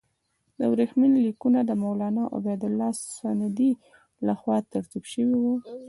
ورېښمین لیکونه د مولنا عبیدالله سندي له خوا ترتیب شوي وو.